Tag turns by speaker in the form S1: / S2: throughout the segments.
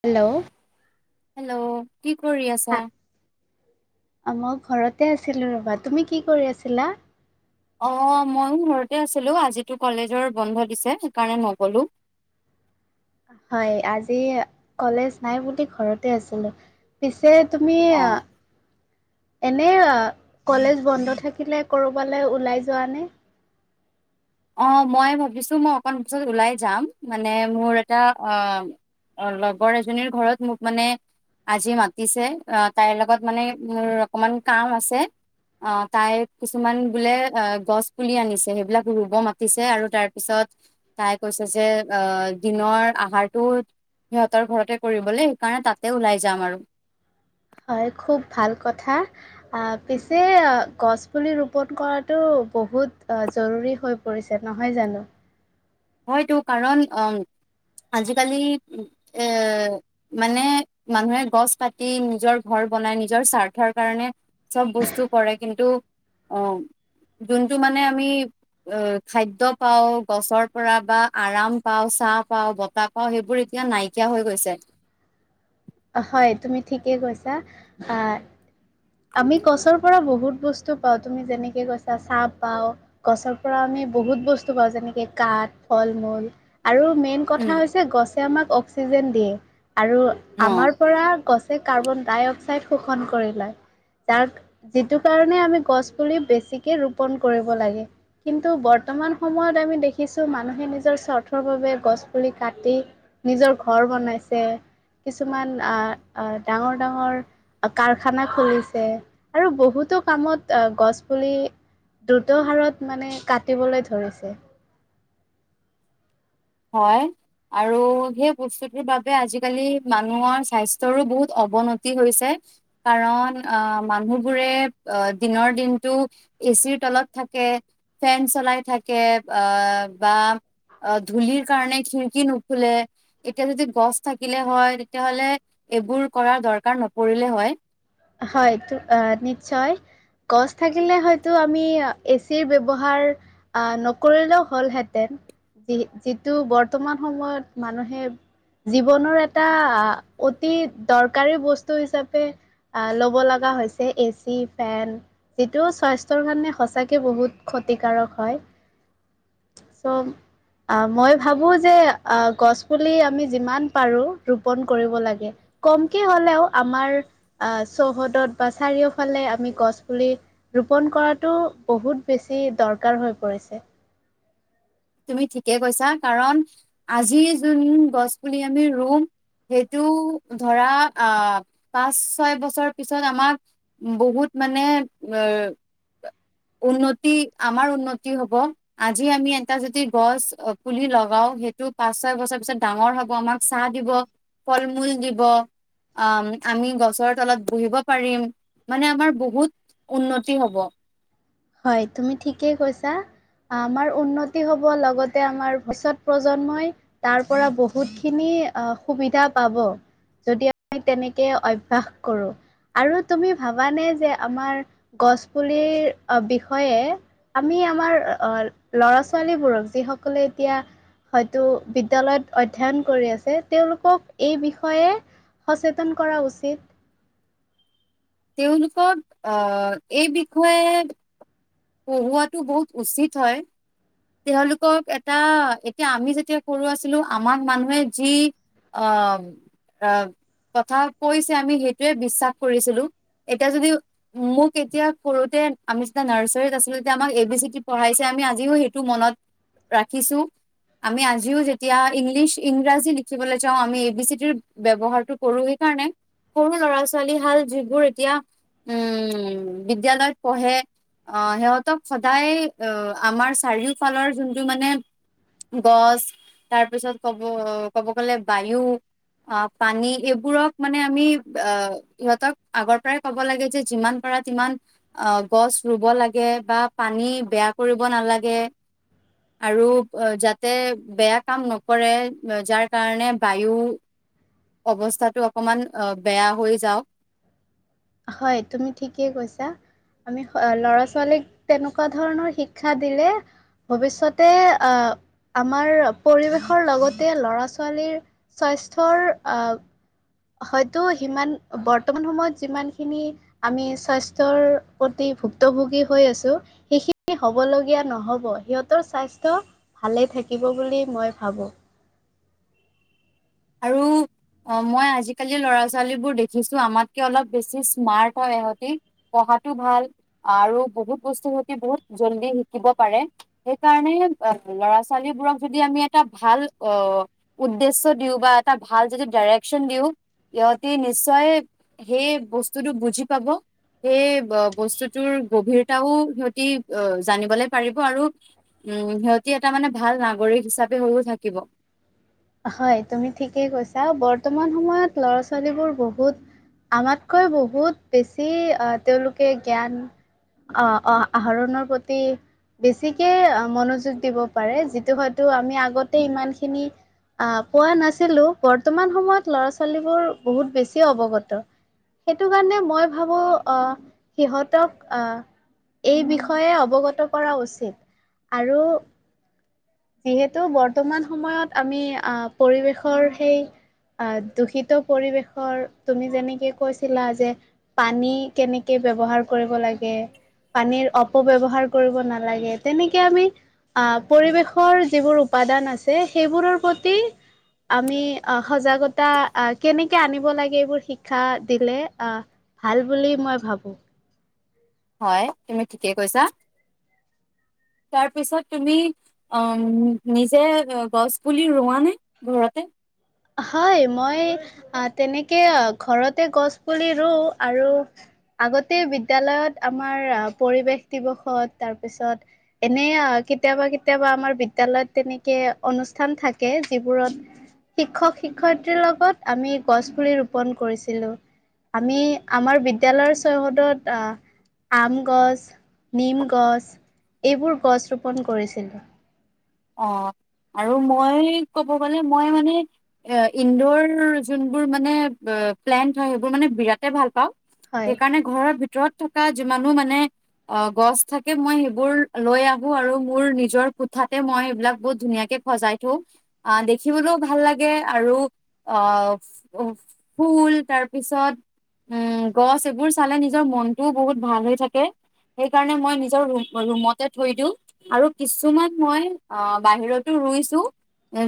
S1: Hello.
S2: Hello, ' কি কৰি
S1: হা,
S2: আছা?
S1: মই ঘৰতে আছিলো ৰবা, তুমি কি কৰি আছিলা?
S2: অ ময়ো ঘৰতে আছিলো আজিতো কলেজৰ বন্ধ দিছে সেইকাৰণে নগলো।
S1: হয় আজি কলেজ নাই বুলি ঘৰতে আছিলো পিছ ছে তুমি
S2: অ',
S1: আ এনে কলেজ বন্ধ থাকিলে ক'ৰবালৈ ওলাই যোৱা নে?
S2: অ' মই ভাবিছোঁ মই অকণ পিছত ওলাই যাম মানে মোৰ এটা আ অ' লগৰ এজনীৰ ঘৰত মোক মানে আজি মাতিছে অ' তাইৰ লগত মানে মোৰ অকমান কাম আছে। অ' তাই কিছুমান বোলে অ' গছ পুলি আনিছে সেইবিলাক ৰু ব মাতিছে, আৰু তাৰ পিছত তাই কৈছে যে আহ দিনৰ আহাৰটো সিহঁতৰ ঘৰতে কৰিবলৈ সেইকাৰণে তাতে ওলাই যাম আৰু।
S1: হয় খুব ভাল কথা। পিছে গছ পুলি ৰোপন কৰাতটো বহুত জৰুৰী হৈ পৰিছে নহয় জানো?
S2: হয়টো কাৰণ অ'! আজিকালি, এ' মানে, মানুহে গছ পতি নিজৰ ঘৰত বনাই নিজৰ স্বাৰ্থৰ কাৰণে। চব বস্তু কৰে, কিন্তু, অ'! যোনটো মানে, আমি অ'! খাদ্য পাওঁ গছৰ পৰা বা আৰাম পাওঁ, চাহ পাওঁ, বতাহ পাওঁ, সেইবোৰ এতিয়া নাইকিয়া হৈ গৈছে।
S1: হয়, তুমি ঠিকেই কৈছা। আমি গছৰ পৰা বহুত বস্তু পাওঁ, তুমি যেনেকে কৈছা, চাহ পাওঁ। গছৰ পৰা আমি বহুত বস্তু পাওঁ। যেনেকে, কাঠ, ফল- মূল আৰু মেইন
S2: উম,
S1: কথা হৈছে, গছে আমাক অক্সিজেন দিয়ে। আৰু
S2: অ।
S1: আমাৰ পৰা গছে কাৰ্বন ডাই অক্সাইড শোষণ কৰি লয়। যাৰ যিটো কাৰণে, আমি গছ পুলি বেছিকে ৰোপন কৰিব লাগে। কিন্তু, বৰ্তমান সময়ত আমি দেখিছোঁ, মানুহে নিজৰ স্বাৰ্থৰ বাবে গছ পুলি কাটি নিজৰ ঘৰ বনাইছে। কিছুমান আঁ ডাঙৰ, ডাঙৰ কাৰখানা খুলিছে। আৰু বহুতো কামত গছ পুলি দ্ৰুত হাৰত মানে, কাটিবলৈ ধৰিছে।
S2: হয়। আৰু সেই, বস্তুটোৰ বাবে আজিকালি মানুহৰ স্বাস্থ্যৰো বহুত অৱনতি হৈছে। কাৰণ, অ'! মানুহবোৰে অ'! দিনৰ দিনতটো এ চিৰ তলত থাকে। ফেন চলাই থাকে। অ'! বা অ'! ধূলিৰ কাৰণে খিৰিকী নুখুলে। এতিয়া যদি গছ থাকিলে হয়, তেতিয়াহ'লে এইবোৰ কৰাৰ দৰকাৰ নপৰিলে হয়।
S1: হয়, নিশ্চয়। গছ থাকিলে হয়তো, আমি এচিৰ ব্যৱহাৰ নকৰিলেও হ'লহেঁতেন। যি, যিটো বৰ্তমান সময়ত মানুহে জীৱনৰ এটা অতি দৰকাৰী বস্তু হিচাপে ল'ব লগা হৈছে, এ চি, ফেন যিটো স্বাস্থ্যৰ কাৰণে সঁচাকে বহুত ক্ষতি ক্ষতিকাৰক হয়। চ' আঁ মই ভাবোঁ যে, আঁ গছ পুলি আমি যিমান পাৰোঁ ৰোপন কৰিব লাগে। কমকে হ'লেও আমাৰ আঁ চৌহদত বা চাৰিওফালে আমি গছ পুলি ৰোপন কৰাতো বহুত বেছি দৰকাৰ হৈ পৰিছে।
S2: তুমি ঠিকে কৈছা। কাৰণ, আজি যোন গছ পুলি আমি ৰুম সেইটো ধৰা আঁ পাঁচ, ছয় বছৰ পিছত আমাক বহুত মানে, অ'!
S1: [inaudible]
S2: উন্নতি, আমাৰ উন্নতি হ'ব। আজি আমি এটা যুতি গছ পুলি লগাও সেইটো পাঁচ ছয় বছৰ পিছত ডাঙৰ হব আমাক চাহ দিব। ফল মূল দিব। আঁ আমি গছৰ তলত বহিব পাৰিম। মানে আমাৰ বহুত উন্নতি হ'ব।
S1: হয়, তুমি ঠিকেই কৈছা। আমাৰ উন্নতি হ'ব, লগতে আমাৰ ভৱিষ্যত প্ৰজন্মই তাৰ পৰা বহুত খিনি সুবিধা পাব। যদি, আমি তেনেকে অভ্যাস কৰোঁ। আৰু তুমি ভাবানে যে আমাৰ গছপুলিৰ বিষয়ে, আমি আমাৰ আঁ ল'ৰা ছোৱালীবোৰক যিসকলে এতিয়া হয়তো বিদ্যালয়ত অধ্যয়ন কৰি আছে। তেওঁলোকক এই বিষয়ে সচেতন কৰা উচিত।
S2: তেওঁলোকক আঁ এই বিষয়ে পঢ়োৱাটো বহুত উচিত হয়। তেওঁলোকক এটা, এতিয়া আমি যেতিয়া সৰু আছিলোঁ আমাৰ মানুহে যি অ', কথা কৈছে, আমি সেইটোৱে বিশ্বাস কৰিছিলো। এতিয়া যদি মোক এতিয়া কৰোতে আমি যেতিয়া নাৰ্চাৰীত আছিলো, তেতিয়া আমাক এ বি চি দি পঢাইছে। আমি আজিও সেইটো মনত ৰাখিছো। আমি আজিও যেতিয়া ইংলিছ ইংৰাজী লিখিবলৈ যাও, আমি এ বি চি দি ৰ ব্যৱহাৰটো কৰোই এই সেইকাৰনে সৰু ল'ৰা-ছোৱালী হাল যিবোৰ এতিয়া উম, বিদ্য়ালয়ত পঢ়ে আহ সিহঁতক সদায় আমাৰ চাৰিওফালৰ যোনটো মানে গছ তাৰপিছত কব ক'ব গ'লে বায়ু। অ', পানী এইবোৰক মানে আমি অ ইহঁতক আগৰ পৰাই ক'ব লাগে যে যিমান পাৰে ইমান অ', গছ ৰুব লাগে বা পানী বেয়া কৰিব নালাগে। আৰু যাতে বেয়া কাম নকৰে, যাৰ কাৰণে বায়ু অৱস্থাটো অকমান বেয়া হৈ যাওক।
S1: হয় তুমি ঠিকেই কৈছা। আমি ল'ৰা ছোৱালীক তেনেকুৱা ধৰণৰ শিক্ষা দিলে ভৱিষ্যতে আ আমাৰ পৰিৱেশৰ লগতে ল'ৰা ছোৱালীৰ স্বাস্থ্যৰ অ- হয়তো সিমান, বৰ্তমান সময়ত যিমান খিনি আমি স্বাস্থ্যৰ প্ৰতি ভুক্তভোগী হৈ আছো সেইখিনি হ'বলগীয়া নহ'ব, সিহঁতৰ স্বাস্থ্য ভালে থাকিব বুলি মই ভাবো।
S2: আৰু অ মই আজিকালি ল'ৰা ছোৱালী বোৰ দেখিছো। আমাতকে অলপ বেছি স্মাৰ্ট হয় ইহঁতি। আৰু বহুত ভাল, আৰু বহুত বস্তু বহুত জলদি শিকিব পাৰে। সেইকাৰণে ল'ৰা ছোৱালীবোৰক যদি আমি এটা ভাল অ উদ্দেশ্যত দিওঁ বা এটা ভাল যদি ডাইৰেকশ্যন দিওঁ ইহতি নিশ্চয় সেই বস্তুটো বুজি পাব। সেই বস্তুটোৰ গভীৰতাও সিহঁতি জানিবলৈ পাৰিব আৰু উম সিহঁতি এটা মানে ভাল নাগৰিক হিচাপে হৈও থাকিব।
S1: হয় তুমি ঠিকেই কৈছা, বৰ্তমান সময়ত ল'ৰা ছোৱালীবোৰ বহুত আমাতকৈ বহুত বেছি তেওঁলোকে জ্ঞান অ', অ', আহৰণৰ প্ৰতি! বেছিকে মনোযোগ দিব পাৰে যিটো হয়তো আমি আগতে ইমান খিনি আহ পোৱা নাছিলো। বৰ্তমান সময়ত ল'ৰা-ছোৱালীবোৰ বহুত বেছি অৱগত। সেইটো কাৰণে মই ভাবো, আহ সিহঁতক আহ এই বিষয়ে অৱগত কৰা উচিত। আৰু সেইহেতু বৰ্তমান সময়ত আমি আহ পৰিৱেশৰ সেই অ', দূষিত পৰিৱেশৰ তুমি যেনেকে কৈছিলা, যে পানী কেনেকে ব্যৱহাৰ কৰিব লাগে। পানীৰ অপব্যৱহাৰ কৰিব নালাগে। তেনেকে আমি আহ পৰিৱেশ যিবোৰ উপাদান আছে সেইবোৰৰ প্ৰতি আমি আহ সজাগতা আহ কেনেকে আনিব লাগে, এইবোৰ শিক্ষা দিলে আহ ভাল বুলি মই ভাবোঁ।
S2: হয় তুমি ঠিকে কৈছা।
S1: [unintelligible]
S2: তাৰ পিছত তুমি অ', নিজে গছ পুলি ৰুৱা নে ঘৰতে?
S1: হয়, মই তেনেকে ঘৰতে গছ পুলি ৰুওঁ আৰু আগতে বিদ্যালয়ত আমাৰ পৰিৱেশ দিৱসত তাৰপিছত এনে আৰু কেতিয়াবা কেতিয়াবা আমাৰ বিদ্যালয়ত তেনেকে অনুষ্ঠান থাকে, যিবোৰত শিক্ষক শিক্ষয়িত্ৰীৰ লগত আমি গছ পুলি ৰোপন কৰিছিলো। আমি আমাৰ বিদ্যালয়ৰ চৈহদত আহ আম গছ, নিম গছ, এইবোৰ গছ ৰোপন কৰিছিলোঁ।
S2: অ আৰু মই ক'ব গ'লে মই মানে এ ইন্দোৰ যোনবোৰ মানে। পেলন্ত হয় সেইবোৰ মানে বিৰা ভাল পাওঁ
S1: হয়।
S2: সেইকাৰণে ঘৰৰ ভিতৰত থকা যিমানো। অ গছ থাকে মই সেইবোৰ লৈ আহো। আৰু মোৰ নিজৰ কোঠাত। মই এইবিলাক বহুত ধুনীয়াকে সজাই থওঁ। আহ দেখিবলৈও ভাল লাগে আৰু অ। অ ফুল তাৰপিছত। উম গছ এইবোৰ চালে নিজৰ মনটোও বহুত ভাল হৈ থাকে। সেইকাৰণে মই নিজৰ ৰুমতে থৈ দিওঁ আৰু কিছুমান। মই অ বাহিৰতো ৰুইছো।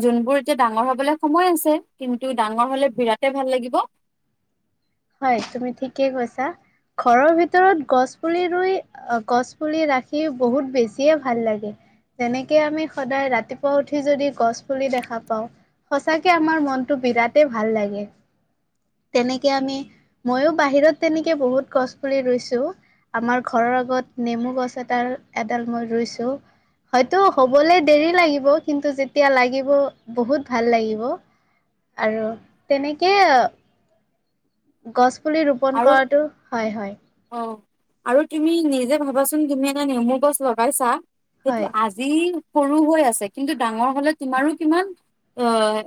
S2: যোনবোৰ এতিয়া ডাঙৰ হবলৈ সময় আছে কিন্তু ডাঙৰ হলে বিৰাট ভাল লাগিব
S1: হয় তুমি ঠিকেই কৈছা। ঘৰৰ ভিতৰত গছ পুলি ৰুই। আহ গছ পুলি ৰাখি বহুত বেছিয়ে ভাল লাগে। যেনেকে আমি সদায় ৰাতিপুৱা উঠি যদি গছ পুলি দেখা পাওঁ। সঁচাকে আমাৰ মনতটো বিৰাটেই ভাল লাগে তেনেকে আমি। মইও বাহিৰত তেনেকে বহুত গছ পুলি ৰুইছো। [unintelligible] হয়তো হ'বলৈ দেৰি লাগিব। কিন্তু যেতিয়া লাগিব বহুত ভাল লাগিব। আৰু তেনেকে। গছ পুলি ৰোপন
S2: আৰু
S1: কৰাটো হয় হয়।
S2: অ আৰু তুমি নিজে ভাবাচোন তুমি এনে নেমু গছ লগাইছা। সেইটো
S1: হয়,
S2: আজি সৰু হৈ আছে কিন্তু ডাঙৰ হ'লে তোমাৰো কিমান। অ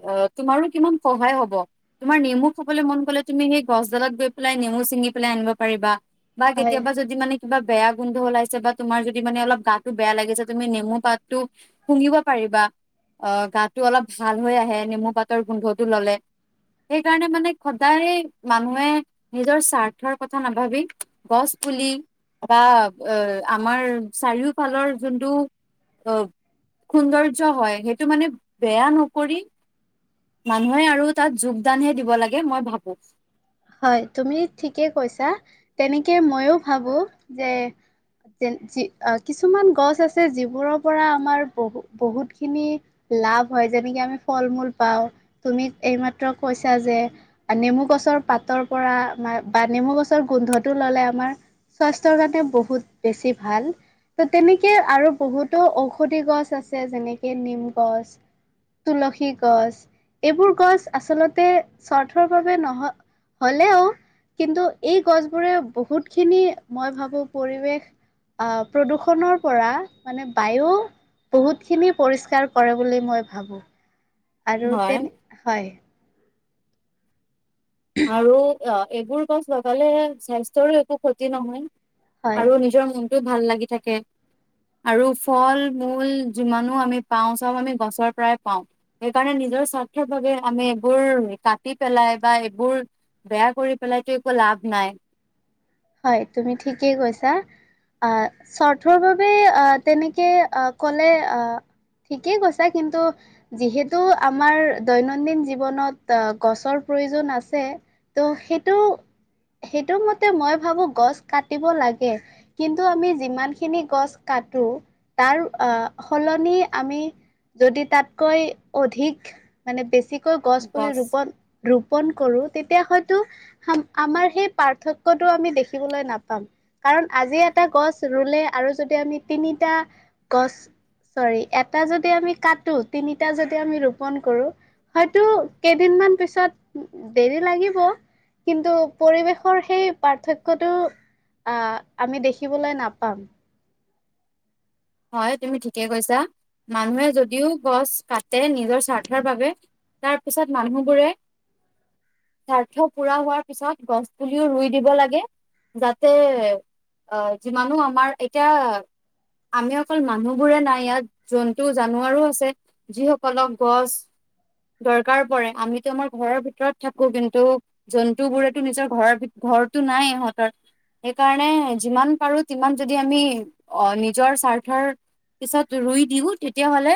S2: অ তোমাৰো কিমান সহায় হ'ব। তোমাৰ নেমু খাবলৈ মন গ'লে। তুমি সেই গছডালত গৈ। পেলাই নেমু চিঙি পেলাই আনিব পাৰিবা বা
S1: হয়,
S2: কেতিয়াবা যদি মানে। কিবা বেয়া গোন্ধ ওলাইছে বা তোমাৰ। যদি মানে অলপ গাটো বেয়া লাগিছে। তুমি নেমু পাততো শুঙিব পাৰি। অ গাতটো অলপ ভাল হৈ আহে নেমু পাতৰ গোন্ধটো ল'লে। সেইকাৰণে মানে সদায় মানুহে নিজৰ স্বাৰ্থৰ কথা নাভাবি। গছ পুলি বা এ আমাৰ চাৰিওফালৰ যোনটো। আহ সৌন্দৰ্য হয় সেইটো মানে বেয়া নকৰি। মানুহে আৰু তাত যোগদানহে দিব লাগে মই ভাবো।
S1: হয় তুমি ঠিকে কৈছা তেনেকে ময়ো ভাবো যে। যয কিছুমান গছ আছে যিবোৰৰ পৰা আমাৰ বহু বহুত খিনি। লাভ হয় যেনেকে আমি ফল মূল পাওঁ। তুমি এইমাত্ৰ কৈছা যে নেমু গছৰ পাত। ৰ পৰা বা নেমু গছৰ গোন্ধটো ল'লে আমাৰ। স্বাস্থ্যৰ কাৰণে বহুত বেছি ভাল। ত তেনেকে আৰু বহুতো ঔষধি গছ আছে যেনেকে নিম গছ। তুলসী গছ এইবোৰ গছ আচলতে স্বাৰ্থৰ বাবে নহ। হলেও কিন্তু এই গছবোৰে বহুত খিনি মই ভাবো পৰিৱেশ। আহ প্ৰদূষণৰ পৰা মানে বায়ু। বহুতখিনি পৰিষ্কাৰ কৰে বুলি মই ভাবো। আৰু
S2: হয়
S1: তেনে হয়।
S2: আৰু এইবোৰ গছ লগালে স্বাস্থ্যৰো একো ক্ষতি নহয়।
S1: হয়
S2: আৰু নিজৰ মনটোও ভাল লাগি থাকে। আৰু ফল মূল যিমানো আমি পাওঁ চব আমি গছৰ পৰাই পাওঁ। সেইকাৰণে নি নিজৰ স্বাৰ্থৰ বাবে আমি এইবোৰ কাটি পেলাই বা। বোৰ বেয়া কৰি পেলাইতো একো লাভ নাই।
S1: হয় তুমি ঠিকেই কৈছা। আহ স্বাৰ্থৰ বাবে আহ তেনেকে আহ ক'লে আহ। ঠিকেই কৈছা কিন্তু যিহেতু আমাৰ দৈনন্দিন জীৱনত গছৰ। প্ৰয়োজন আছে ত সেইটো সেইটো মতে মই। ভাবো গছ কাটিব লাগে কিন্তু আমি যিমানখিনি গছ কাটো তাৰ সলনি আমি যদি তাতকৈ অধিক মানে বেছি। গছ পুলি ৰোপন ৰোপন কৰো তেতিয়া হয়তো আমাৰ সেই পাৰ্থক্য টো আমি দেখিবলৈ নাপাম। কাৰণ আজি এটা গছ ৰুলে আৰু যদি আমি তিনিটা গছ চ'ৰি এটা যদি আমি কাটো তিনিটা যদি আমি ৰোপন কৰো হয়তো কেইদিনমান পিছত দেৰি লাগিব। কিন্তু পৰিৱেশৰ সেই পাৰ্থক্যটো আমি দেখিবলৈ নাপাম।
S2: হয়। তুমি ঠিকে কৈছা। মানুহে যদিও গছ কাট তে নিজৰ স্বাৰ্থৰ বাবে তাৰ পিছত মানুহবোৰে স্বাৰ্থ পুৰা হোৱাৰ পিছত গছ পুলিও ৰুই দিব লাগে। যাতে আহ যিমানো আমাৰ এতিয়া আমি অকল মানুহবোৰে নাই, ইয়াত জন্তু জানুৱাৰো আছে। যিসকলক গছ দৰকাৰ পৰে আমিতো আমাৰ ঘৰৰ ভিতৰত থাকো। কিন্তু জন্তু বোৰেতো নিজৰ ঘৰৰ ঘৰটো নাই ইহঁতৰ সেইকাৰণে যিমান পাৰো তিমান যদি আমি অ নিজৰ স্বাৰ্থৰ পিছত ৰুই দিওঁ তেতিয়াহ'লে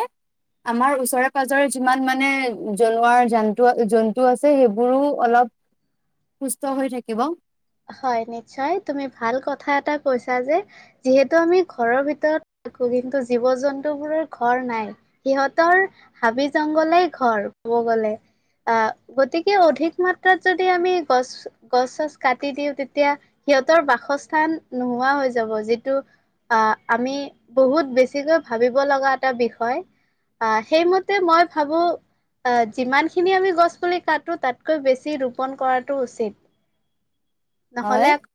S2: আমাৰ ওচৰে পাজৰে যিমান মানে জনোৱাৰ জন্তু- জন্তু আছে, সেইবোৰো অলপ সুস্থ হৈ থাকিব।
S1: হয়। নিশ্চয় তুমি ভাল কথা এটা কৈছা যে যিহেতু আমি ঘৰৰ ভিতৰত আকৌ কিন্তু জীৱ জন্তু বোৰৰ ঘৰ নাই সিহঁতৰ হাবি জংঘলে ঘৰ গ গতিকে অধিক মাত্ৰাত যদি আমি গছ গছ কাটি দিওঁ তেতিয়া সিহঁতৰ বাসস্থান নোহোৱা হৈ যাব যিটো অ', আমি বহুত বেছিকৈ ভাবিব লগা এটা বিষয় আহ সেইমতে মই ভাবো আহ যিমানখিনি আমি গছ পুলি কাটো তাতকৈ বেছি ৰোপন কৰাটো উচিত
S2: হয়
S1: নহ'লে আ